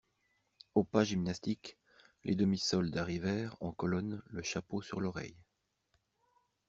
Au pas gymnastique, les demi-soldes arrivèrent, en colonne, le chapeau sur l'oreille.